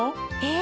え。